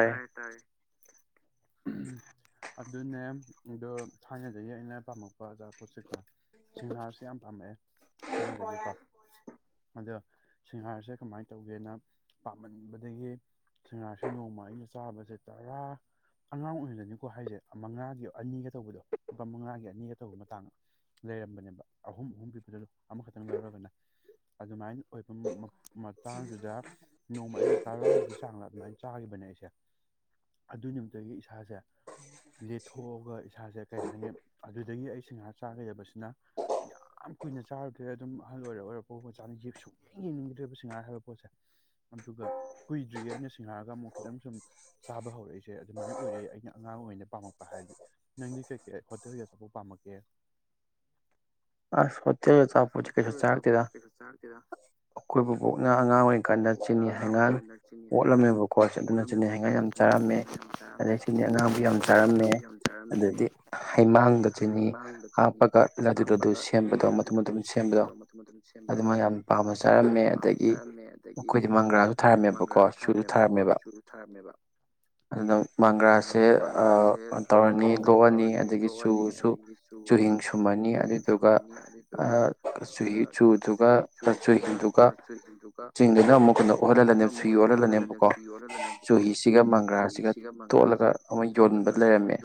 ꯇꯥꯌꯦ ꯇꯥꯌꯦ ꯑꯗꯨꯅꯦ ꯑꯗꯣ ꯊꯥꯏꯅꯗꯒꯤ ꯑꯩꯅ ꯄꯥꯝꯃꯛꯄ ꯑꯣꯖꯥ ꯄꯣꯠꯁꯤꯀꯣ ꯁꯤꯡꯍꯥꯔꯁꯦ ꯌꯥꯝ ꯄꯥꯝꯃꯛꯑꯦ ꯊꯥꯏꯅꯗꯒꯤꯀꯣ ꯑꯗꯣ ꯁꯤꯡꯍꯥꯔꯁꯦ ꯀꯃꯥꯏꯅ ꯇꯧꯒꯦꯅ ꯄꯥꯝꯃꯟꯕꯗꯒꯤ ꯁꯍꯔꯁꯨ ꯅꯣꯡꯃ ꯑꯩꯅ ꯆꯥꯕꯁꯦ ꯇꯔꯥ ꯑꯉꯥꯡ ꯑꯣꯏꯔꯤꯉꯗꯅꯤꯀꯣ ꯍꯥꯏꯁꯦ ꯃꯉꯥꯒꯤ ꯑꯅꯤꯒ ꯇꯧꯕꯗꯣ ꯂꯨꯄꯥ ꯃꯉꯥꯒꯤ ꯑꯅꯤꯒ ꯇꯧꯕ ꯃꯇꯥꯡꯗ ꯂꯩꯔꯝꯕꯅꯦꯕ ꯑꯍꯨꯝ ꯑꯍꯨꯝ ꯄꯤꯕꯗ ꯂ ꯑꯃꯈꯛꯇꯪ ꯂꯧꯔꯒꯅ ꯑꯗꯨꯃꯥꯏꯅ ꯑꯣꯏꯕ ꯃꯇꯥꯡꯗꯨꯗ ꯅꯣꯡꯃ ꯑꯩꯅ ꯇꯔꯥ ꯑꯗꯨ ꯆꯥꯡꯗ ꯑꯗꯨꯃꯥꯏꯅ ꯆꯥꯒꯤꯈꯤꯕꯅꯦ ꯑꯩꯁꯦ ꯑꯗꯨ ꯅꯨꯃꯤꯠꯇꯒꯤ ꯏꯁꯥꯁꯦ ꯂꯦꯊꯣꯛꯑꯒ ꯏꯁꯥꯁꯦ ꯀꯩ ꯍꯥꯏꯅꯤ ꯑꯗꯨꯗꯒꯤ ꯑꯩ ꯁꯤꯡꯍꯥꯔ ꯆꯥꯈꯤꯗꯕꯁꯤꯅ ꯌꯥꯝ ꯀꯨꯏꯅ ꯆꯥꯔꯨꯗ꯭ꯔꯦ ꯑꯗꯨꯝ ꯑꯍꯜ ꯑꯣꯏꯔ ꯑꯣꯏꯔ ꯄ ꯃꯥꯅ ꯁꯨꯡ ꯌꯦꯡꯅꯤꯡꯗ꯭ꯔꯦꯕ ꯁꯤꯡꯍꯥꯔ ꯍꯥꯏꯕ ꯄꯣꯠꯁꯦ ꯑꯗꯨꯒ ꯀꯨꯏꯗ꯭ꯔꯤꯌꯦ ꯑꯩꯅ ꯁꯤꯡꯉꯛꯔꯑꯒ ꯑꯃꯨꯛ ꯈꯤꯇꯪ ꯁꯨꯝ ꯆꯥꯕ ꯍꯧꯔꯛꯏꯁꯦ ꯑꯗꯨꯃꯥꯏꯅ ꯑꯣꯏꯔꯛꯏꯦ ꯑꯩꯅ ꯑꯉꯥꯡ ꯑꯣꯏꯅ ꯄꯥꯝꯃꯛꯄ ꯍꯥꯏꯔꯗꯤ ꯅꯪꯗꯤ ꯀꯩꯀꯩ ꯍꯣꯇꯦꯜꯗ ꯆꯄꯧꯕ ꯄꯥꯝꯃꯛꯀꯦ ꯑꯁ ꯍꯠ ꯊꯦ ꯑꯆꯥꯄꯣꯠꯁꯤ ꯀꯩꯁꯨ ꯆꯥꯔꯛꯇꯦꯗ ꯑꯩꯈꯣꯏꯕꯨꯕꯣꯛꯅ ꯑꯉꯥꯡ ꯑꯣꯏꯔꯤꯀꯥꯟꯗ ꯆꯤꯅꯤ ꯍꯩꯉꯥꯟ ꯑꯣꯠꯂꯝꯃꯦꯕꯀꯣꯠ ꯑꯗꯨꯅ ꯆꯤꯅꯤ ꯍꯩꯉꯥꯟ ꯌꯥꯝ ꯆꯥꯔꯝꯃꯦ ꯑꯗꯩ ꯆꯤꯅꯤ ꯑꯉꯥꯡꯕꯨ ꯌꯥꯝ ꯆꯥꯔꯝꯃꯦ ꯑꯗꯨꯗꯗꯤ ꯍꯩꯃꯥꯡꯗ ꯆꯤꯅꯤ ꯍꯥꯞꯄꯒ ꯁꯦꯝꯕ ꯑꯗꯨꯗꯣ ꯑꯗꯨ ꯁꯦꯝꯕꯗꯣ ꯃꯊꯨꯝ ꯃꯇꯊꯨꯝ ꯁꯦꯝꯕꯗꯣ ꯑꯗꯨꯃ ꯌꯥꯝ ꯄꯥꯝꯅ ꯆꯥꯔꯝꯃꯦ ꯑꯗꯒꯤ ꯑꯩꯈꯣꯏꯗꯤ ꯃꯡꯒ꯭ꯔꯥꯁꯨ ꯊꯥꯔꯝꯃꯦꯕꯀꯣ ꯆꯨꯗ ꯊꯥꯔꯝꯃꯦꯕ ꯑꯗꯨꯅ ꯃꯡꯒ꯭ꯔꯥꯁꯦ ꯇꯧꯔꯅꯤ ꯂꯣꯛꯑꯅꯤ ꯑꯗꯒꯤ ꯆꯨꯁꯨ ꯆꯨꯍꯤꯡ ꯁꯨꯉꯥꯅꯤ ꯑ ꯆꯨꯍꯤ ꯆꯨꯗꯨꯒ ꯆꯨꯍꯤꯗꯨꯒ ꯆꯤꯡꯗꯨꯅ ꯑꯃꯨꯛ ꯀꯩꯅꯣ ꯑꯣꯜꯍꯜꯂꯅꯦꯕ ꯆꯨꯍꯤ ꯑꯣꯜꯍꯜꯂꯅꯦꯕꯀꯣ ꯆꯨꯍꯤꯁꯤꯒ ꯃꯡꯒ꯭ꯔꯥꯁꯤꯒ ꯇꯣꯠꯂꯒ ꯑꯃꯨꯛ ꯌꯣꯟꯕ ꯂꯩꯔꯝꯃꯦ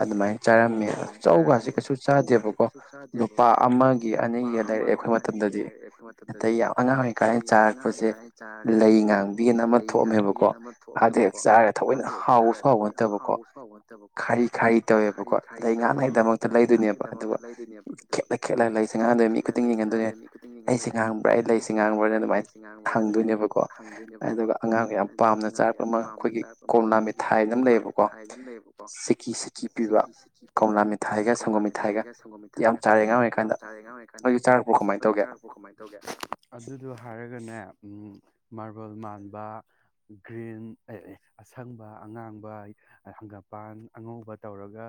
ꯑꯗꯨꯃꯥꯏꯅ ꯆꯥꯔꯝꯃꯦ ꯆꯧꯒꯥꯁꯦ ꯀꯩꯁꯨ ꯆꯥꯗꯦꯕꯀꯣ [unintelligible] ꯀꯣ ꯂꯨꯄꯥ ꯑꯃꯒꯤ ꯑꯅꯤꯒꯤ ꯂꯩꯔꯛꯑꯦ ꯑꯩꯈꯣꯏ ꯃꯇꯝꯗꯗꯤ ꯑꯇꯩ ꯌꯥꯝ ꯑꯉꯥꯡ ꯑꯣꯏꯔꯤꯀꯥꯏ ꯆꯥꯔꯛꯄꯁꯦ ꯂꯩ ꯉꯥꯡꯕꯤꯒꯅ ꯑꯃ ꯊꯣꯛꯑꯝꯃꯦꯕꯀꯣ ꯑꯥꯗꯩ ꯍꯦꯛ ꯆꯥꯔꯒ ꯊꯑꯣꯏꯅ ꯍꯥꯎꯁꯨ ꯍꯥꯎꯕ ꯅꯠꯇꯕꯀꯣ ꯈꯥꯔꯤ ꯈꯥꯔꯤ ꯇꯧꯋꯦꯕꯀꯣ ꯂꯩ ꯉꯥꯡꯅꯕꯉꯥꯏꯗꯃꯛꯇ ꯂꯩꯗꯣꯏꯅꯦꯕ ꯈꯦꯅ ꯈꯦꯅ ꯁꯤ ꯉꯥꯡꯍꯗꯣꯏꯅꯦ ꯃꯤ ꯈꯨꯗꯤꯡ ꯌꯦꯡꯍꯟꯗꯣꯏꯅꯦ ꯑꯩꯁꯦ ꯉꯥꯡꯕ꯭ꯔꯥ ꯑꯩ ꯂꯩꯁꯦ ꯉꯥꯡꯕ꯭ꯔꯥꯅ ꯑꯗꯨꯃꯥꯏꯅ ꯍꯡꯗꯣꯏꯅꯦꯕꯀꯣ ꯑꯗꯨꯒ ꯑꯉꯥꯡꯒ ꯌꯥꯝ ꯄꯥꯝꯅ ꯆꯥꯔꯛꯄ ꯑꯃ ꯑꯩꯈꯣꯏꯒꯤ ꯀꯣꯝꯂꯥ ꯃꯤꯊꯥꯏꯅ ꯂꯩꯌꯦꯕꯀꯣ ꯁꯤꯀꯤ ꯁꯤꯀꯤ ꯄꯤꯕ ꯀꯝꯂꯥ ꯃꯤꯊꯥꯏꯒ ꯁꯡꯒꯣꯝ ꯃꯤꯊꯥꯏꯒ ꯌꯥꯝ ꯆꯥꯔꯛꯑ ꯑꯉꯥꯡ ꯑꯣꯏꯔꯤꯀꯥꯟꯗ ꯆꯥꯔꯦ [unintelligible] ꯀꯥꯟꯗ ꯅꯣꯌꯁꯨ ꯆꯥꯔꯛꯄꯔꯣ ꯀꯃꯥꯏꯅ ꯇꯧꯒꯦ ꯑꯗꯨꯗꯣ ꯍꯥꯏꯔꯒꯅꯦ ꯃꯥꯔꯕꯜ ꯃꯥꯟꯕ ꯒ꯭ꯔꯤꯟ ꯑꯁꯪꯕ ꯑꯉꯥꯡꯕ ꯍꯪꯒꯥꯄꯥꯟ ꯑꯉꯧꯕ ꯇꯧꯔꯒ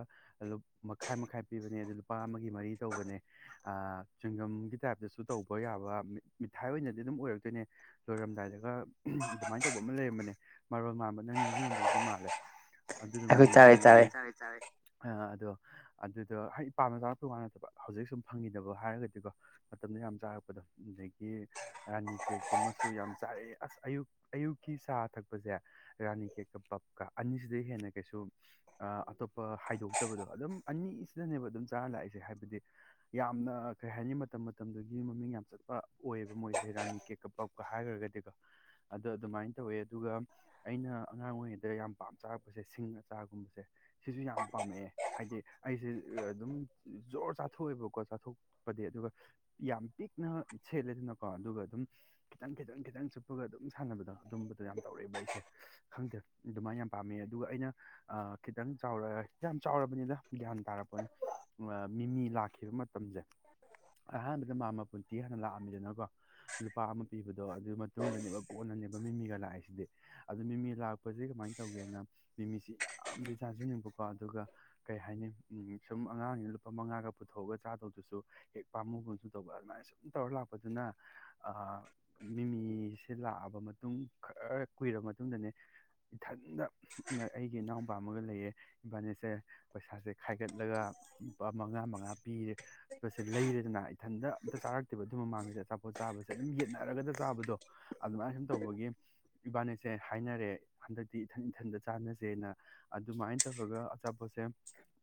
ꯃꯈꯥꯏ ꯃꯈꯥꯏ ꯄꯤꯕꯅꯦ ꯑꯗꯨ ꯂꯨꯄꯥ ꯑꯃꯒꯤ ꯃꯔꯤ ꯇꯧꯕꯅꯦ ꯆꯤꯡꯒꯝꯒꯤ ꯇꯥꯏꯞꯇꯁꯨ ꯇꯧꯕ ꯌꯥꯕ ꯃꯤꯊꯥꯏ ꯑꯣꯏꯅꯗꯤ ꯑꯗꯨꯝ ꯑꯣꯏꯔꯛꯇꯣꯏꯅꯦ ꯂꯣꯏꯔꯝꯗꯥꯏꯗꯒ ꯑꯗꯨꯃꯥꯏꯅ ꯇꯧꯕ ꯑꯃ ꯂꯩꯔꯝꯕꯅꯦ ꯃꯔꯜ ꯃꯥꯟꯕ ꯅꯪ ꯆꯤꯡꯉꯝꯗꯧꯗꯤ ꯃꯥꯜꯂꯦ ꯑꯗꯨꯗꯨꯃ ꯅꯤꯡꯁꯤꯡꯉꯛꯑꯦ ꯑꯗꯣ ꯑꯗꯨꯗ ꯍꯥꯏ ꯄꯥꯝꯅ ꯆꯥꯔꯛꯄꯩ ꯃꯥꯟꯅꯗꯕ ꯍꯧꯖꯤꯛ ꯁꯨꯝ ꯐꯪꯈꯤꯗꯕ ꯍꯥꯏꯔꯒꯗꯤꯀꯣ ꯃꯇꯝꯗ ꯌꯥꯝ ꯆꯥꯔꯛꯄꯗꯣ ꯑꯗꯒꯤ ꯔꯥꯅꯤ ꯀꯦꯛꯇꯨꯃꯁꯨ ꯌꯥꯝ ꯆꯥꯔꯛꯑꯦ ꯑꯁ ꯑꯌꯨꯛ ꯑꯌꯨꯛꯀꯤ ꯆꯥ ꯊꯛꯄꯁꯦ ꯔꯥꯅꯤ ꯀꯦꯛꯀ ꯄꯞꯀ ꯑꯅꯤꯁꯤꯗ ꯍꯦꯟꯅ ꯀꯩꯁꯨ ꯑꯇꯣꯞꯄ ꯍꯥꯏꯗꯣꯛꯇꯕꯗꯣ ꯑꯗꯨꯝ ꯑꯅꯤꯁꯤꯗꯅꯦꯕ ꯑꯗꯨꯝ ꯆꯥꯔ ꯂꯥꯛꯏꯁꯦ ꯍꯥꯏꯕꯗꯤ ꯌꯥꯝꯅ ꯀꯩ ꯍꯥꯏꯅꯤ ꯃꯇꯝ ꯃꯇꯝꯗꯨꯒꯤ ꯃꯃꯤꯡ ꯌꯥꯝ ꯆꯠꯄ ꯑꯣꯏꯌꯦꯕ ꯃꯣꯏꯁꯦ ꯔꯥꯅꯤ ꯀꯦꯛꯀ ꯄꯞꯀ ꯍꯥꯏꯈ꯭ꯔꯒꯗꯤꯀꯣ ꯑꯗꯣ ꯑꯗꯨꯃꯥꯏꯅ ꯇꯧꯋꯦ ꯑꯗꯨꯒ ꯑꯩꯅ ꯑꯉꯥꯡ ꯑꯣꯏꯔꯤꯉꯩꯗ ꯌꯥꯝ ꯄꯥꯝ ꯆꯥꯔꯛꯄꯁꯦ ꯁꯤꯡ ꯑꯆꯥꯒꯨꯝꯕꯁꯦ ꯁꯤꯁꯨ ꯌꯥꯝ ꯄꯥꯝꯃꯛꯑꯦ ꯍꯥꯏꯗꯤ ꯑꯩꯁꯦ ꯑꯗꯨꯝ ꯖꯣꯔ ꯆꯥꯊꯣꯛꯑꯦꯕꯀꯣ ꯀꯣ ꯆꯥꯊꯣꯛꯄꯗꯤ ꯑꯗꯨꯒ ꯌꯥꯝ ꯄꯤꯛꯅ ꯁꯦꯠꯂꯦꯗꯅꯀꯣ ꯑꯗꯨꯒ ꯑꯗꯨꯝ ꯈꯤꯇꯪ ꯈꯤꯇꯪ ꯈꯤꯇꯪ ꯆꯨꯞꯄꯒ ꯑꯗꯨꯝ ꯁꯥꯟꯅꯕꯗꯣ ꯑꯗꯨꯝꯕꯗꯣ ꯌꯥꯝ ꯇꯧꯔꯛꯑꯦꯕ ꯑꯩꯁꯦ ꯈꯪꯗꯦ ꯑꯗꯨꯃꯥꯏꯅ ꯌꯥꯝ ꯄꯥꯝꯃꯦ ꯑꯗꯨꯒ ꯑꯩꯅ ꯈꯤꯇꯪ ꯆꯥꯎꯔ ꯌꯥꯝ ꯆꯥꯎꯔꯕꯅꯤꯅ ꯒ꯭ꯌꯥꯟ ꯇꯥꯔꯛꯄꯅꯤ ꯃꯤꯃꯤ ꯂꯥꯛꯈꯤꯕ ꯃꯇꯝꯁꯦ ꯑꯍꯥꯟꯕꯗ ꯃꯥ ꯃꯄꯨꯟꯇꯤ ꯍꯥꯟꯅ ꯂꯥꯛꯑꯝꯃꯤꯗꯅꯀꯣ ꯂꯨꯄꯥ ꯑꯃ ꯄꯤꯕꯗꯣ ꯑꯗꯨꯒꯤ ꯃꯇꯨꯡꯗꯅꯦꯕ ꯀꯣꯟꯅꯅꯦꯕ ꯃꯤꯃꯤꯒ ꯂꯥꯛꯏꯁꯤꯗꯤ ꯑꯗꯨ ꯃꯤꯃꯤ ꯂꯥꯛꯄꯁꯤꯦ ꯀꯃꯥꯏꯅ ꯇꯧꯒꯦꯅ ꯃꯤꯃꯤꯁꯤ ꯌꯥꯝꯗꯤ ꯆꯥꯁꯤꯟꯅꯤꯡꯕꯀꯣ ꯑꯗꯨꯒ ꯀꯩ ꯍꯥꯏꯅꯤ ꯁꯨꯝ ꯑꯉꯥꯡꯅꯤꯅ ꯂꯨꯄꯥ ꯃꯉꯥꯒ ꯄꯨꯊꯣꯛꯑꯒ ꯆꯥꯗꯧꯗꯨꯁꯨ ꯍꯦꯛ ꯄꯥꯝꯃꯨꯒꯁꯨ ꯇꯧꯕ ꯑꯗꯨꯃꯥꯏꯅ ꯁꯨꯝ ꯇꯧꯔ ꯂꯥꯛꯄꯗꯨꯅ ꯃꯤꯃꯤꯁꯦ ꯂꯥꯛꯑꯕ ꯃꯇꯨꯡ ꯈꯔ ꯀꯨꯏꯔꯕ ꯃꯇꯨꯡꯗꯅꯦ ꯏꯊꯟꯗ ꯑꯩꯒꯤ ꯏꯅꯥꯎ ꯄꯥꯑꯃꯒ ꯂꯩꯌꯦ ꯏꯝꯐꯥꯅꯦꯠꯁꯦ ꯄꯩꯁꯥꯁꯦ ꯈꯥꯏꯒꯠꯂꯒ ꯂꯨꯄꯥ ꯃꯉꯥ ꯃꯉꯥ ꯄꯤꯔꯦ ꯄ ꯁꯦ ꯂꯩꯔꯦꯗꯅ ꯏꯊꯟꯇ ꯑꯝꯇ ꯆꯥꯔꯛꯇꯦꯕ ꯑꯗꯨ ꯃꯃꯥꯡꯗꯗꯤ ꯑꯆꯥꯄꯣꯠ ꯆꯥꯕꯁꯦ ꯑꯗꯨꯝ ꯌꯦꯠꯅꯔꯒꯗ ꯆꯥꯕꯗꯣ ꯑꯗꯨꯃꯥꯏꯅ ꯁꯨꯝ ꯇꯧꯕꯒꯤ ꯏꯕꯥꯅꯤꯁꯦ ꯍꯥꯏꯅꯔꯦ ꯍꯟꯗꯛꯇꯤ ꯏꯊꯟ ꯏꯊꯟꯗ ꯆꯥꯅꯁꯦꯅ ꯑꯗꯨꯃꯥꯏꯅ ꯇꯧꯔꯒ ꯑꯆꯥꯄꯣꯠ ꯄꯣꯁꯦꯝ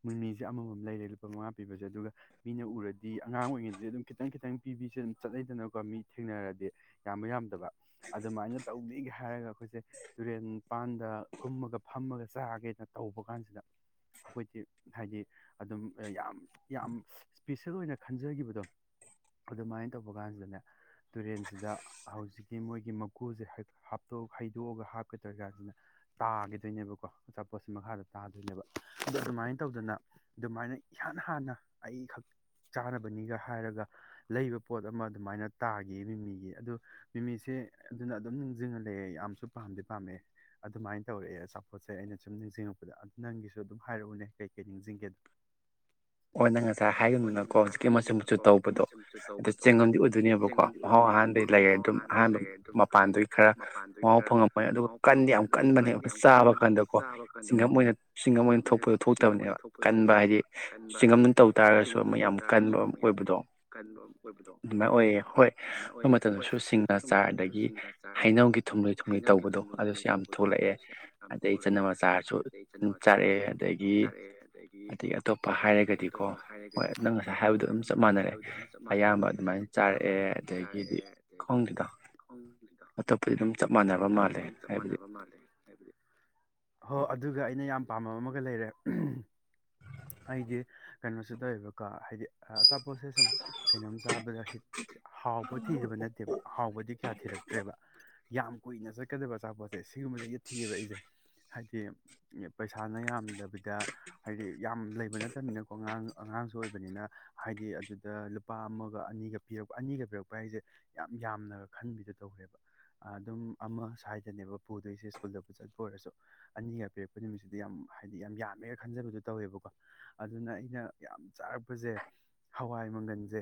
ꯃꯤꯃꯤꯁꯦ ꯑꯃꯃꯝ ꯂꯩꯔꯦ ꯂꯨꯄꯥ ꯃꯉꯥ ꯄꯤꯕꯁꯦ ꯑꯗꯨꯒ ꯃꯤꯅ ꯎꯔꯗꯤ ꯑꯉꯥꯡ ꯑꯣꯏꯔꯤꯉꯩꯗꯗꯤ ꯑꯗꯨꯝ ꯈꯤꯇꯡ ꯈꯤꯇꯡ ꯄꯤꯕꯤꯁꯦ ꯑꯗꯨꯝ ꯆꯠꯂꯩꯗꯅꯀꯣ ꯃꯤ ꯊꯦꯡꯅꯔꯗꯤ ꯌꯥꯝꯕ ꯌꯥꯝꯗꯕ ꯑꯗꯨꯃꯥꯏꯅ ꯇꯧꯗꯤꯒꯦ ꯍꯥꯏꯔꯒ ꯑꯩꯈꯣꯏꯁꯦ ꯔꯦꯟ ꯄꯥꯟꯗ ꯀꯨꯝꯃꯒ ꯐꯝꯃꯒ ꯆꯥꯒꯦꯅ ꯇꯧꯕ ꯀꯥꯟꯁꯤꯗ ꯑꯩꯈꯣꯏꯗꯤ ꯍꯥꯏꯗꯤ ꯑꯗꯨꯝ ꯌꯥꯝ ꯌꯥꯝ ꯏꯁꯄꯤꯁꯦꯜ ꯑꯣꯏꯅ ꯈꯟꯖꯒꯤꯈꯤꯕꯗꯣ ꯑꯗꯨꯃꯥꯏꯅ ꯇꯧꯕ ꯀꯥꯟꯁꯤꯗꯅꯦ ꯇꯨꯔꯦꯟꯁꯤꯗ ꯍꯧꯖꯤꯛꯀꯤ ꯃꯣꯏꯒꯤ ꯃꯀꯨꯁꯦ ꯍꯞꯇꯣꯛ ꯍꯩꯗꯣꯛꯑꯒ ꯍꯥꯞꯀꯗꯣꯏꯔꯤ ꯀꯥꯟꯁꯤꯅ ꯇꯥꯈꯤꯗꯣꯏꯅꯦꯕꯀꯣ ꯑꯆꯥꯄꯣꯠꯁꯤ ꯃꯈꯥꯗ ꯇꯥꯗꯣꯏꯅꯦꯕ ꯑꯗꯣ ꯑꯗꯨꯃꯥꯏꯅ ꯇꯧꯗꯅ ꯑꯗꯨꯃꯥꯏꯅ ꯏꯍꯥꯟ ꯍꯥꯟꯅ ꯑꯩꯈꯛ ꯆꯥꯅꯕꯅꯤꯒ ꯍꯥꯏꯔꯒ ꯂꯩꯕ ꯄꯣꯠ ꯑꯃ ꯑꯗꯨꯃꯥꯏꯅ ꯇꯥꯈꯤ ꯃꯤꯃꯤꯒꯤ ꯑꯗꯨ ꯃꯤꯃꯤꯁꯦ ꯑꯗꯨꯅ ꯑꯗꯨꯝ ꯅꯤꯡꯁꯤꯡꯉꯂꯑꯦ ꯌꯥꯝꯁꯨ ꯄꯥꯝꯗꯤ ꯄꯥꯝꯃꯛꯑꯦ ꯑꯗꯨꯃꯥꯏꯅ ꯇꯧꯔꯛꯑꯦ ꯑꯆꯥꯄꯣꯠꯁꯦ ꯑꯩꯅ ꯁꯨꯝ ꯅꯤꯡꯁꯤꯡꯉꯛꯄꯗ ꯅꯡꯒꯤꯁꯨ ꯑꯗꯨꯝ ꯍꯥꯏꯔꯛꯎꯅꯦ ꯀꯩꯀꯩ ꯅꯤꯡꯁꯤꯡꯒꯦꯗꯣ ꯍꯣꯏ ꯅꯪꯉꯁꯤ ꯉꯁꯥꯏ ꯍꯥꯏꯒꯅꯅꯀꯣ ꯍꯧꯖꯤꯛꯀꯤ ꯃꯆꯨ ꯃꯆꯨ ꯇꯧꯕꯗꯣ ꯑꯗꯣ ꯆꯦꯡꯉꯝꯗꯤ ꯑꯣꯏꯗꯣꯏꯅꯦꯕꯀꯣ ꯃꯍꯥꯎ ꯑꯍꯥꯟꯕꯩ ꯂꯩꯔ ꯑꯗꯨꯝ ꯑꯍꯥꯟꯕ ꯃꯄꯥꯟꯗꯩ ꯈꯔ ꯃꯍꯥꯎ ꯐꯪꯉꯝꯕꯅꯤ ꯑꯗꯨꯒ ꯀꯟꯗꯤ ꯌꯥꯝ ꯀꯟꯕꯅꯦꯕ ꯑꯩ ꯆꯥꯕ ꯀꯥꯟꯗꯀꯣ ꯆꯤꯡꯉꯝ ꯑꯣꯏꯅ ꯆꯤꯡꯉꯝ ꯑꯣꯏꯅ ꯊꯣꯛꯄꯗꯣ ꯊꯣꯛꯇꯕꯅꯦꯕ ꯀꯟꯕ ꯍꯥꯏꯗꯤ ꯕꯥꯏꯒꯤ ꯆꯥꯔꯁꯨ ꯑꯃ ꯌꯥꯝ ꯀꯟꯕ ꯑꯣꯏꯕꯗꯣ ꯑꯗꯨꯃꯥꯏꯅ ꯑꯣꯏꯌꯦ ꯍꯣꯏ ꯑꯈꫭꯏ ꯃꯇꯝꯗꯁꯨ ꯁꯤꯡ ꯑꯆꯥꯔ ꯑꯗꯒꯤ ꯍꯩꯅꯧꯒꯤ ꯊꯨꯝꯂꯣꯏ ꯊꯨꯝꯂꯣꯏ ꯇꯧꯕꯗꯣ ꯑꯗꯨꯁꯨ ꯌꯥꯝ ꯊꯣꯛꯂꯛꯑꯦ ꯑꯗꯗꯒꯤ ꯆꯅꯝ ꯑꯆꯥꯥꯔꯁꯨ ꯆꯥꯔꯛꯑꯦ ꯑꯗꯒꯤ ꯑꯗꯒꯤ ꯑꯇꯣꯞꯄ ꯍꯥꯏꯔꯒꯗꯤꯀꯣ ꯍꯥꯏꯔꯒꯗꯤꯀꯣ ꯍꯣꯏ ꯅꯪ ꯉꯁꯥꯏ ꯍꯥꯏꯕꯗꯣ ꯑꯗꯨꯝ ꯆꯞ ꯃꯥꯟꯅꯔꯦ ꯑꯌꯥꯝꯕ ꯑꯗꯨꯃꯥꯏꯅ ꯆꯥꯔꯛꯑꯦ ꯑꯗꯒꯤꯗꯤ ꯈꯪꯗꯦꯗ ꯑꯇꫭꯞꯄꯗꯤ ꯑꯗꯨꯝ ꯆꯞ ꯃꯥꯟꯅꯕ ꯃꯥꯜꯂꯦ ꯍꯥꯏꯕꯗꯤ ꯍꯣ ꯑꯗꯨꯒ ꯑꯩꯅ ꯌꯥꯝ ꯄꯥꯝꯕ ꯑꯃꯒ ꯂꯩꯔꯦ ꯑꯩꯗꯤ ꯀꯩꯅꯣꯁꯤꯗ ꯑꯣꯏꯕꯀꯣ ꯍꯥꯏꯗꯤ ꯑꯆꯥꯄꯣꯠꯁꯦ ꯁꯨꯝ ꯀꯩꯅꯣꯝ ꯆꯥꯕꯗ ꯍꯥꯎꯕ ꯊꯤꯗꯕ ꯅꯠꯇꯦꯕ ꯍꯥꯎꯕꯗꯤ ꯀꯌꯥ ꯊꯤꯔꯛꯇ꯭ꯔꯦꯕ ꯌꯥꯝ ꯀꯨꯏꯅ ꯆꯠꯀꯗꯕ ꯑꯆꯥꯄꯣꯠꯁꯦ ꯁꯤꯒꯨꯝꯕꯁꯦ ꯌꯦ ꯊꯤꯑꯕ ꯑꯩꯁꯦ ꯍꯥꯏꯗꯤ ꯄꯩꯁꯥꯅ ꯌꯥꯝꯗꯕꯤꯗ ꯍꯥꯏꯗꯤ ꯌꯥꯝ ꯂꯩꯕ ꯅꯠꯇꯕꯅ ꯣ ꯑꯉꯥꯡ ꯑꯉꯥꯡꯁꯨ ꯑꯣꯏꯕꯅꯤꯅ ꯍꯥꯏꯗꯤ ꯑꯗꯨꯗ ꯂꯨꯄꯥ ꯑꯃꯒ ꯑꯅꯤꯒ ꯄꯤꯔꯛꯄ ꯑꯅꯤꯒ ꯄꯤꯔꯛꯄ ꯍꯥꯏꯁꯦ ꯌꯥꯝ ꯌꯥꯝꯅꯒ ꯈꯟꯕꯤꯗꯣ ꯇꯧꯋꯦꯕ ꯑꯗꯨꯝ ꯑꯃ ꯁ꯭ꯋꯥꯏꯗꯅꯦꯕ ꯄꯨꯗꯣꯏꯁꯦ ꯁ꯭ꯀꯨꯜꯗꯕꯨ ꯆꯠꯄ ꯑꯣꯏꯔꯁꯨ ꯑꯅꯤꯒ ꯄꯤꯔꯛꯄ ꯅꯨꯃꯤꯠꯁꯤꯗ ꯌꯥꯝ ꯍꯥꯏꯗꯤ ꯌꯥꯝ ꯌꯥꯝꯃꯦꯒ ꯈꯟꯖꯕꯗꯣ ꯇꯧꯋꯦꯕꯀꯣ ꯑꯗꯨꯅ ꯑꯩꯅ ꯌꯥꯝ ꯆꯥꯔꯛꯄꯁꯦ ꯍꯋꯥꯏ ꯃꯪꯒꯜꯁꯦ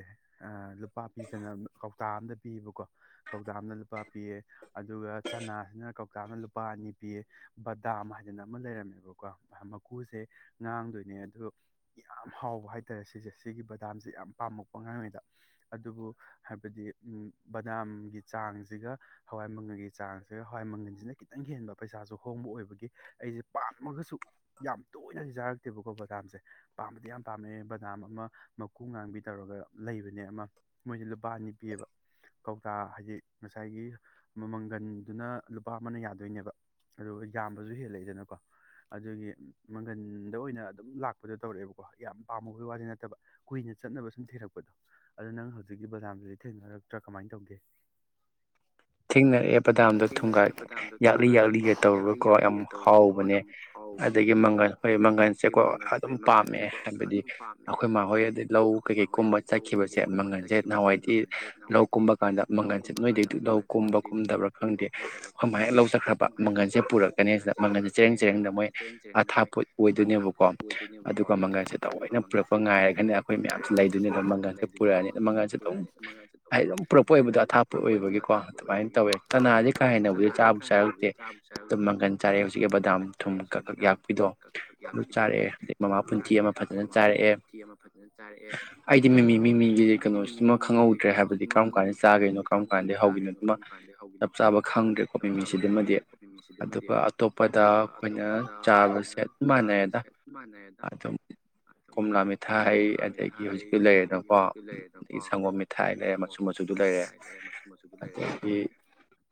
ꯂꯨꯄꯥ ꯄꯤꯗꯅ ꯀꯧꯇꯥ ꯑꯃꯝꯗ ꯄꯤꯌꯦꯕꯀꯣ ꯀꯧꯇꯥ ꯑꯃꯗ ꯂꯨꯄꯥ ꯄꯤꯌꯦ ꯑꯗꯨꯒ ꯆꯅꯥꯁꯤꯅ ꯀꯧꯇꯥ ꯑꯃꯅ ꯂꯨꯄꯥ ꯑꯅꯤ ꯄꯤꯌꯦ ꯕꯗꯥꯝ ꯍꯥꯏꯗꯅ ꯑꯃ ꯂꯩꯔꯝꯃꯦꯕꯀꯣ ꯃꯀꯨꯁꯦ ꯉꯥꯡꯗꯣꯏꯅꯦ ꯑꯗꯨꯗ ꯌꯥꯝ ꯍꯥꯎꯕ ꯍꯥꯏꯇꯥꯔꯦ ꯁꯤꯁꯦ ꯁꯤꯒꯤ ꯕꯗꯥꯝꯁꯦ ꯌꯥꯝ ꯄꯥꯝꯃꯛꯄ ꯉꯥꯡꯉꯩꯗ ꯑꯗꯨꯕꯨ ꯍꯥꯏꯕꯗꯤ ꯕꯗꯥꯝꯒꯤ ꯆꯥꯡꯁꯤꯒ ꯍꯋꯥꯏ ꯃꯪꯒꯜꯒꯤ ꯆꯥꯡꯁꯤꯒ ꯍꯋꯥꯏ ꯃꯪꯒꯜꯁꯤꯅ ꯈꯤꯇꯪ ꯍꯦꯟꯕ ꯄꯩꯁꯥꯁꯨ ꯍꯣꯡꯕ ꯑꯣꯏꯕꯒꯤ ꯑꯩꯁꯦ ꯄꯥꯝꯃꯒꯁꯨ ꯌꯥꯝ ꯇꯣꯏꯅꯗꯤ ꯆꯥꯔꯛꯇꯦꯕꯀꯣ ꯕꯗꯥꯝꯁꯦ ꯄꯥꯝꯕꯗꯤ ꯌꯥꯝ ꯄꯥꯝꯃꯛꯑꯦ ꯕꯗꯥꯝ ꯑꯃ ꯃꯀꯨ ꯉꯥꯡꯕꯤ ꯇꯧꯔꯒ ꯂꯩꯕꯅꯦ ꯑꯃ ꯃꯣꯏꯁꯦ ꯂꯨꯄꯥ ꯑꯅꯤ ꯄꯤꯌꯦꯕ ꯀꯧꯇꯥ ꯍꯥꯏꯗꯤ ꯉꯁꯥꯏꯒꯤ ꯃꯪꯒꯟꯗꯨꯅ ꯂꯨꯄꯥ ꯑꯃꯅ ꯌꯥꯗꯣꯏꯅꯦꯕ ꯑꯗꯨꯒ ꯌꯥꯝꯕꯁꯨ ꯍꯦꯜꯂꯛꯏꯗꯅꯀꯣ ꯑꯗꯨꯒꯤ ꯃꯪꯒꯟꯗ ꯑꯣꯏꯅ ꯑꯗꯨꯝ ꯂꯥꯛꯄꯗ ꯇꯧꯔꯛꯑꯦꯕꯀꯣ ꯌꯥꯝ ꯄꯥꯝꯕꯕꯒꯤ ꯋꯥꯗꯤ ꯅꯠꯇꯕ ꯀꯨꯏꯅ ꯆꯠꯅꯕ ꯁꯨꯝ ꯊꯤꯔꯛꯄꯗꯣ ꯑꯗꯨꯗꯣ ꯅꯪ ꯍꯧꯖꯤꯛꯇꯀꯤ ꯕꯖꯥꯔꯗꯗꯤ ꯊꯦꯡꯅꯔꯛꯇ꯭ꯔꯥ ꯀꯃꯥꯏꯅ ꯇꯧꯗꯦ ꯊꯦꯡꯅꯔꯛꯑꯦ ꯄꯕꯗꯥꯝꯗꯣ ꯊꯨꯡꯒꯥ ꯌꯥꯛꯂꯤ ꯌꯥꯛꯂꯤꯒ ꯇꯧꯔꯒꯀꯣ ꯌꯥꯝ ꯍꯥꯎꯕꯅꯦ ꯑꯗꯒꯤ ꯃꯪꯒꯜ ꯍꯣꯏ ꯃꯪꯒꯜꯁꯦꯀꯣ ꯑꯗꯨꯝ ꯄꯥꯝꯃꯦ ꯍꯥꯏꯕꯗꯤ ꯑꯩꯈꯣꯏ ꯃꯥ ꯍꯣꯏ ꯑꯗꯩ ꯂꯧ ꯀꯩꯀꯩ ꯀꯨꯝꯕ ꯆꯠꯈꯤꯕꯁꯦ ꯃꯪꯒꯜꯁꯦ ꯅꯍꯥꯟꯋꯥꯏꯗꯤ ꯂꯧ ꯀꯨꯝꯕ ꯀꯥꯟꯗ ꯃꯪꯒꯜꯁꯦ ꯅꯣꯏꯗꯒꯤꯩ ꯂꯧ ꯀꯨꯝꯕ ꯀꯨꯝꯗꯕ꯭ꯔꯥ ꯈꯪꯗꯦ ꯁꯃꯥꯏꯅ ꯂꯧꯖꯈ꯭ꯔꯕ ꯃꯪꯒꯜꯁꯦ ꯄꯨꯔꯛꯀꯅꯤ ꯁꯤꯗ ꯃꯪꯒꯜꯁꯦ ꯆꯦꯔꯦꯡ ꯆꯦꯔꯦꯡꯗ ꯃꯣꯏ ꯑꯊꯥꯄꯣꯠ ꯑꯣꯏꯗꯣꯏꯅꯦꯕꯀꯣ ꯑꯣꯏꯗꯣꯏꯅꯦꯕꯀꯣ ꯑꯗꯨꯒ ꯃꯉꯜꯁꯤꯦꯗ ꯂꯣꯏꯅ ꯄꯨꯔꯛꯄ ꯉꯥꯏꯔꯒꯅ ꯑꯩꯈꯣꯏꯅ ꯂꯩꯗꯣꯏꯅꯦꯕ ꯃꯪꯒꯜꯁꯦ ꯄꯨꯔꯛꯑꯅꯤ ꯃꯉꯜꯁꯦ ꯑꯗꯨꯝ ꯍꯥꯏ ꯑꯗꯨꯝ ꯄꯨꯔꯛꯄ ꯑꯣꯏꯕꯗꯣ ꯑꯊꯥꯞ ꯄꯨꯔꯛꯑꯣꯏꯕ ꯇꯧꯋꯦ ꯆꯅꯥꯗꯤ ꯀꯥ ꯍꯦꯟꯅꯕꯨ ꯆꯥꯕꯨ ꯆꯥꯔꯛꯇꯦ ꯑꯗꯨꯝ ꯃꯪꯒꯟ ꯆꯥꯔꯦ ꯍꯧꯖꯤꯛꯀꯤ ꯕꯗꯥꯝ ꯊꯨꯝ ꯀꯛ ꯀꯛ ꯌꯥꯛꯄꯤꯗꯣ ꯑꯗꯨ ꯆꯥꯔꯦ ꯃꯃꯥ ꯄꯨꯟꯊ ꯑꯃ ꯐꯖꯅ ꯆꯥꯔꯛꯑꯦ ꯑꯩꯗꯤ ꯃꯤꯃꯤ ꯃꯤꯃꯤꯒꯤꯗꯤ ꯀꯩꯅꯣꯁꯤꯃ ꯈꯪꯍꯧꯗ꯭ꯔꯦ ꯍꯥꯏꯕꯗꯤ ꯀꯔꯝ ꯀꯥꯟꯗ ꯆꯥꯒꯅꯣ ꯀꯔꯝ ꯀꯥꯟꯗ ꯍꯧꯒꯤꯣꯏꯅꯣ ꯆꯞ ꯆꯥꯕ ꯈꯪꯗ꯭ꯔꯦꯀꯣ ꯃꯤꯃꯤꯁꯤꯗꯨꯃꯗꯤ ꯑꯗꯨꯒ ꯑꯇꯣꯞꯄꯗ ꯑꯩꯈꯣꯏꯅ ꯆꯥꯕꯁꯦ ꯃꯥꯟꯅꯩꯦꯗ ꯑꯗꯨꯝ ꯀꯣꯝꯂꯥ ꯃꯤꯊꯥꯏ ꯑꯗꯒꯤ ꯍꯧꯖꯤꯛꯀꯤ ꯂꯩꯔꯦꯅꯀꯣ ꯑꯗꯒꯤ ꯁꯪꯒꯣꯝ ꯃꯤꯊꯥꯏ ꯂꯩꯔꯦ ꯃꯆꯨ ꯃꯆꯨꯗꯨ ꯂꯩꯔꯦ ꯑꯗꯒꯤ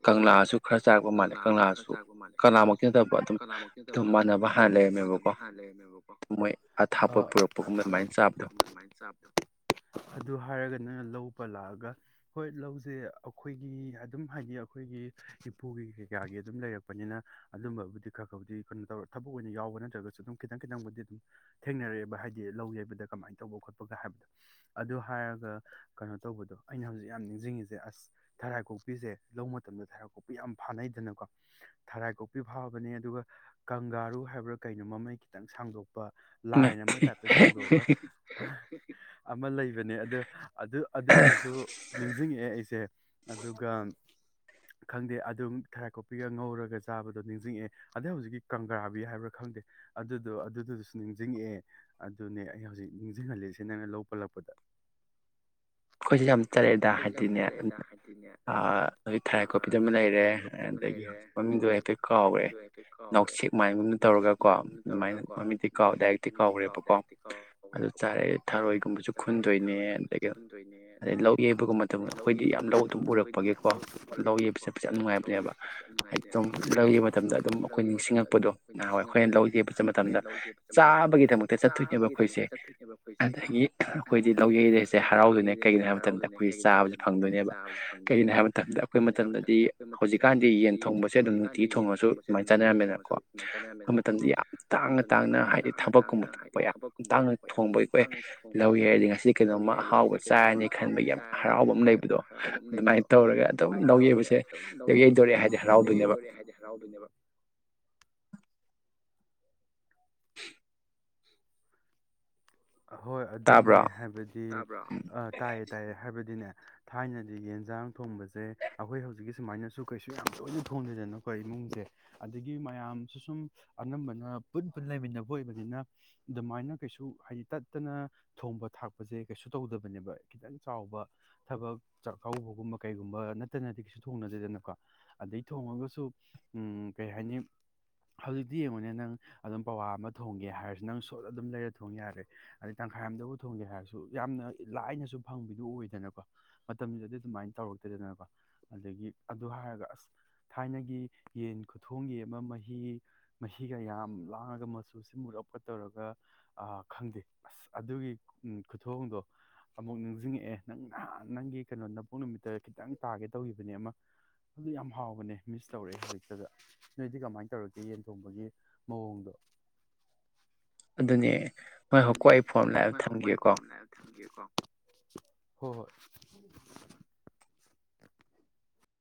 ꯀꯪꯂꯥꯁꯨ ꯈꯔ ꯆꯥꯔꯛꯄ ꯃꯥꯜꯂꯦ ꯀꯪꯂꯥꯁꯨ ꯀꯪꯂꯥꯃꯀꯤ ꯅꯠꯇꯕ ꯑꯗꯨꯝ ꯑꯗꯨꯝ ꯃꯥꯟꯅꯕ ꯍꯥꯟꯅ ꯂꯩꯔꯝꯃꯦꯕꯀꯣ ꯊꯥꯞꯛꯄꯒꯨꯝ ꯑꯗꯨ ꯍꯥꯏꯔꯒꯅ ꯂꯧ ꯄ ꯂꯥꯛꯑꯒ ꯍꯣꯏ ꯂꯧꯁꯦ ꯑꯩꯈꯣꯏꯒꯤ ꯑꯗꯨꯝ ꯍꯥꯏꯗꯤ ꯑꯩꯈꯣꯏꯒꯤ ꯏꯝꯐꯨꯒꯤ ꯀꯩꯀꯥꯒꯤ ꯑꯗꯨꯝ ꯂꯩꯔꯛꯄꯅꯤꯅ ꯑꯗꯨꯝꯕꯕꯨꯗꯤ ꯈꯔ ꯈꯥꯎꯗꯤ ꯀꯩꯅꯣ ꯇꯧꯔ ꯊꯕꯛ ꯑꯣꯏꯅ ꯌꯥꯎꯕ ꯅꯠꯇ꯭ꯔꯒꯁꯨ ꯑꯗꯨꯝ ꯈꯤꯇꯪ ꯈꯤꯇꯪꯕꯨꯗꯤ ꯑꯗꯨꯝ ꯊꯦꯡꯅꯔꯛꯑꯦꯕ ꯍꯥꯏꯗꯤ ꯂꯧ ꯌꯩꯕꯗ ꯀꯃꯥꯏꯅ ꯇꯧꯕ ꯈꯣꯠꯄꯒ ꯍꯥꯏꯕꯗꯣ ꯑꯗꯨ ꯍꯥꯏꯔꯒ ꯀꯩꯅꯣ ꯇꯧꯕꯗꯣ ꯑꯩꯅ ꯍꯧꯖꯤꯛ ꯌꯥꯝ ꯅꯤꯡꯁꯤꯡꯉꯤꯁꯦ ꯑꯁ ꯊꯔꯥꯏ ꯀꯣꯛꯄꯤꯁꯦ ꯂꯧ ꯃꯇꯝꯗ ꯊꯔꯥꯏꯄꯣꯛꯄꯤ ꯌꯥꯝ ꯐꯥꯅꯩꯗꯅꯀꯣ ꯊꯔꯥꯏ ꯀꯣꯛꯄꯤ ꯐꯥꯕꯅꯦ ꯑꯗꯨꯒ ꯀꯪꯒꯥꯔꯨ ꯍꯥꯏꯕ꯭ꯔꯥ ꯀꯩꯅꯣ ꯃꯃꯩ ꯈꯤꯇꯪ ꯁꯥꯡꯗꯣꯛꯄ ꯂꯥꯏꯟ ꯑꯃ ꯇꯥꯏꯞꯇ ꯁꯥꯡꯗꯣꯛꯑꯒ ꯑꯃ ꯂꯩꯕ ꯑꯗꯨꯗꯨꯁꯨ ꯅꯤꯡꯁꯤꯡꯉꯛꯑꯦ ꯑꯩꯁꯦ ꯑꯗꯨꯒ ꯈꯪꯗꯦ ꯑꯗꯨꯝ ꯊꯔꯥꯏ ꯀꯣꯛꯄꯤꯒ ꯉꯧꯔꯒ ꯆꯥꯕꯗꯣ ꯅꯤꯡꯁꯤꯡꯉꯛꯑꯦ ꯑꯗꯩ ꯍꯧꯖꯤꯛꯀꯤ ꯀꯪꯒ꯭ꯔꯥꯕꯤ ꯍꯥꯏꯕ꯭ꯔꯥ ꯈꯪꯗꯦ ꯑꯗꯨꯗꯣ ꯑꯗꯨꯗꯨꯗꯁꯨ ꯅꯤꯡꯁꯤꯡꯉꯛꯑꯦ ꯑꯗꯨꯅꯦ ꯑꯩ ꯍꯧꯖꯤꯛ ꯅꯤꯡꯁꯤꯡꯍꯜꯂꯤꯁꯦ ꯅꯪꯅ ꯂꯧ ꯄꯜꯂꯛꯄꯗ ꯀꯣꯏꯁꯤ ꯌꯥꯝ ꯆꯠꯂꯛꯦꯗꯥ ꯍꯥꯏꯗꯤꯅꯦ ꯑꯗꯨ ꯊꯔꯥꯏ ꯀꯣꯄꯤꯗꯝ ꯂꯩꯔꯦ ꯑꯗꯒꯤ ꯍꯧꯖꯤꯛ ꯃꯃꯤꯡꯗꯣ ꯍꯥꯏꯐꯦꯠ ꯀꯥꯎꯈꯔꯦ ꯅꯥꯎꯁꯦꯛ ꯃꯥꯏꯒꯨꯝꯅ ꯇꯧꯔꯒꯀꯣ ꯑꯗꯨꯃꯥꯏꯅ ꯃꯃꯤꯗꯤ ꯀꯥꯎ ꯗꯥꯏꯔꯛꯇꯤ ꯀꯥꯎꯈ꯭ꯔꯦꯕꯀꯣ ꯑꯗꯨ ꯆꯥꯔꯛꯑꯦ ꯊꯔꯣꯏꯒꯨꯝꯕꯁꯨ ꯈꯨꯟꯗꯣꯏꯅꯦ ꯑꯗꯒꯤ ꯂꯧꯒꯦ [unintelligible] ꯑꯩꯈꯣꯏꯗꯤ ꯌꯥꯝ ꯂꯧ ꯑꯗꯨꯝ ꯎꯔꯛꯄꯒꯤꯀꯣ ꯂꯧ ꯌꯩꯕ ꯆꯠꯄꯁꯦ ꯌꯥꯝ ꯅꯨꯡꯉꯥꯏꯕꯅꯦꯕ ꯍꯥꯏꯗꯤ ꯑꯗꯨꯝ ꯂꯧ ꯌꯩꯕ ꯃꯇꯝꯗ ꯑꯗꯨꯝ ꯑꯩꯈꯣꯏ ꯅꯤꯡꯁꯤꯡꯉꯛꯄꯗꯣ ꯅꯍꯥꯟꯋꯥꯏ ꯑꯩꯈꯣꯏꯅ ꯂꯧ ꯌꯩꯕ ꯆꯠꯄ ꯃꯇꯝꯗ ꯆꯥꯕꯒꯤꯗꯃꯛꯇ ꯆꯠꯇꯣꯏꯅꯦꯕ ꯑꯩꯈꯣꯏꯁꯦ ꯑꯗꯒꯤ ꯑꯩꯈꯣꯏꯗꯤ ꯂꯧ ꯌꯩꯔꯦꯁꯦ ꯍꯔꯥꯎꯗꯣꯏꯅꯦ [unintelligible] ꯆꯥꯕꯁꯤ ꯐꯪꯗꯣꯏꯅꯦꯕ ꯀꯩꯒꯤꯅꯣ ꯍꯥꯏꯕ ꯃꯇꯝꯗ ꯑꯩꯈꯣꯏ ꯃꯇꯝꯗꯗꯤ ꯍꯧꯖꯤꯛꯀꯥꯟꯗꯤ ꯌꯦꯟ ꯊꯣꯡꯕꯁꯦ ꯑꯗꯨꯝ ꯅꯨꯡꯇꯤꯒꯤ ꯊꯣꯡꯉꯁꯨ ꯑꯗꯨꯃꯥꯏꯅ ꯆꯥꯅꯔꯝꯃꯦꯅꯀꯣ ꯑꯩꯈꯣꯏ ꯃꯇꯝꯗ ꯌꯥꯝ ꯇꯥꯡꯅ ꯇꯥꯡꯅ ꯍꯥꯏꯗꯤ ꯊꯕꯛꯀꯨꯝꯕ ꯊꯣꯛꯄ ꯌꯥꯝ ꯇꯥꯡꯅ ꯊꯣꯡꯕꯩ ꯀꯣꯏ ꯂꯧꯋꯤ ꯍꯥꯏꯔꯗꯤ ꯉꯁꯤ ꯀꯩꯅꯣꯝꯃ ꯑꯥꯎꯕ ꯀꯩꯅꯣꯃ ꯍꯥꯎꯋꯦ ꯆꯥꯔꯅꯤ ꯈꯟꯕꯒꯤ ꯌꯥꯝ ꯍꯔꯥꯎꯕ ꯑꯃ ꯂꯩꯕꯗꯣ ꯑꯗꯨꯃꯥꯏꯅ ꯇꯧꯔꯒ ꯑꯗꯨ ꯂꯧ ꯌꯛꯕꯁꯦ ꯌꯩꯗꯣꯔꯦ ꯍꯥꯏꯕꯗꯤ ꯍꯔꯥꯎꯗꯣꯏꯅꯦꯕ ꯑꯍꯣꯏ ꯑꯗꯨꯅꯦ ꯍꯥꯏꯕꯗꯤ ꯇꯥꯏꯌꯦ ꯇꯥꯏꯌꯦ ꯍꯥꯏꯕꯗꯤꯅꯦ ꯊꯥꯏꯅꯗꯤ ꯌꯦꯟꯁꯥꯡ ꯊꯣꯡꯕꯁꯦ ꯑꯩꯈꯣꯏ ꯍꯧꯖꯤꯛꯀꯤ ꯁꯨꯃꯥꯏꯅꯁꯨ ꯀꯩꯁꯨ ꯌꯥꯝ ꯇꯣꯏꯅ ꯊꯣꯡꯗꯗꯅꯀꯣ ꯏꯃꯨꯡꯁꯦ ꯑꯗꯒꯤ ꯃꯌꯥꯝꯁꯨ ꯁꯨꯝ ꯑꯅꯝꯕꯅ ꯄꯨꯟ ꯄꯨꯟꯅ ꯂꯩꯃꯤꯟꯅꯕ ꯑꯣꯏꯕꯅꯤꯅ ꯑꯗꯨꯃꯥꯏꯅ ꯀꯩꯁꯨ ꯍꯥꯏꯗꯤ ꯇꯠꯇꯅ ꯊꯣꯡꯕ ꯊꯥꯛꯄꯁꯦ ꯀꯩꯁꯨ ꯇꯧꯗꯕꯅꯦꯕ ꯈꯤꯇꯪ ꯆꯥꯎꯕ ꯊꯕꯛ ꯆꯥꯛꯀꯧꯕꯒꯨꯝꯕ ꯀꯩꯒꯨꯝꯕ ꯅꯠꯇꯅꯗꯤ ꯀꯩꯁꯨ ꯊꯣꯡꯅꯗꯦꯗꯅꯀꯣ ꯑꯗꯩ ꯊꯣꯡꯉꯒꯁꯨ ꯀꯩ ꯍꯥꯏꯅꯤ ꯍꯧꯖꯤꯛꯇꯤ ꯌꯦꯡꯉꯣꯅꯦ ꯅꯪ ꯑꯗꯨꯝ ꯄꯋꯥ ꯑꯃ ꯊꯣꯡꯒꯦ ꯍꯥꯏꯔꯁꯨ ꯅꯪ ꯁꯣꯠ ꯑꯗꯨꯝ ꯂꯩꯔ ꯊꯣꯡ ꯌꯥꯔꯦ ꯑꯗꯩ ꯇꯪꯈꯥꯏ ꯑꯃꯝꯗꯕꯨ ꯊꯣꯡꯒꯦ ꯍꯥꯏꯔꯁꯨ ꯌꯥꯝꯅ ꯂꯥꯏꯅꯁꯨ ꯐꯪꯕꯗꯨ ꯑꯣꯏꯗꯅꯀꯣ ꯃꯇꯝꯗꯨꯗꯗꯤ ꯑꯗꯨꯃꯥꯏꯅ ꯇꯧꯔꯛꯇꯗꯅꯀꯣ ꯑꯗꯒꯤ ꯑꯗꯨ ꯍꯥꯏꯔꯒ ꯑꯁ ꯊꯥꯏꯅꯒꯤ ꯌꯦꯟ ꯈꯨꯊꯣꯡꯒꯤ ꯑꯃ ꯃꯍꯤ ꯃꯍꯤꯒ ꯌꯥꯝ ꯂꯥꯡꯉꯒ ꯃꯆꯨꯁꯤ ꯃꯨꯔꯛꯀ ꯇꯧꯔꯒ ꯈꯪꯗꯦ ꯑꯁ ꯑꯗꯨꯒꯤ ꯈꯨꯊꯣꯡꯗꯣ ꯑꯃꯨꯛ ꯅꯤꯡꯁꯤꯡꯉꯛꯑꯦ ꯅꯪ ꯅꯍꯥꯟ ꯅꯪꯒꯤ ꯀꯩꯅꯣ ꯅ ꯄꯣꯛ ꯅꯨꯃꯤꯠꯇ ꯈꯤꯇꯪ ꯇꯥꯒꯦ ꯇꯧꯈꯤꯕꯅꯦ ꯑꯃ ꯑꯗꯨ ꯌꯥꯝ ꯍꯥꯎꯕꯅꯦ ꯃꯤꯁ ꯇꯧꯔꯛꯑꯦ ꯍꯧꯖꯤꯛꯇꯗ ꯅ ꯅꯣꯏꯗꯤ ꯀꯃꯥꯏꯅ ꯇꯧꯔꯒꯦ ꯌꯦꯟ ꯊꯣꯡꯕꯒꯤ ꯃꯑꯣꯡꯗꯣ ꯑꯗꯨꯅꯦ ꯍꯣꯏ ꯍꯣꯏꯀꯣ ꯑꯩ ꯐꯣꯔꯝ ꯂꯥꯛꯑꯒ ꯊꯝꯒꯦꯀꯣ ꯍꯣꯏ ꯍꯣꯏ